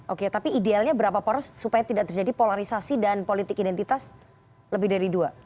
oke tapi idealnya berapa poros supaya tidak terjadi polarisasi dan politik identitas lebih dari dua